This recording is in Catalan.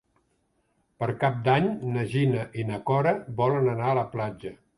Per Cap d'Any na Gina i na Cora volen anar a la platja.